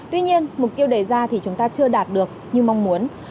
tuy nhiên mục tiêu đề ra thì chúng ta chưa đạt được như mong muốn